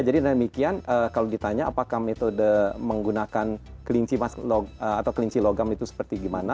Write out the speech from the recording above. jadi dari demikian kalau ditanya apakah metode menggunakan kelinci emas atau kelinci logam itu seperti gimana